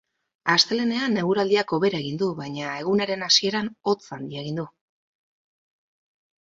Astelehenean eguraldiak hobera egin du, baina egunaren hasieran hotz handia egin du.